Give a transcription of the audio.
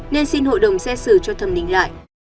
nên xin hội đồng xét xử cho thẩm định lại